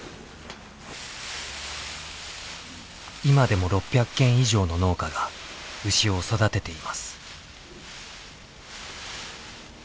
今でも６００軒以上の農家が牛を育てています。